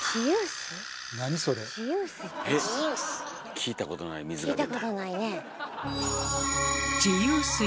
聞いたことないねえ。